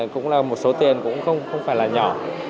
cũng là một số tiền cũng không phải là nhỏ